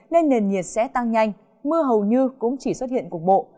nên nền nhiệt sẽ tăng nhanh mưa hầu như cũng chỉ xuất hiện cục bộ